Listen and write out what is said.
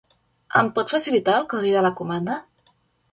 Em pot facilitar el codi de la comanda?